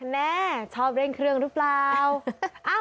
แน่ชอบเล่นเครื่องรึเปล่า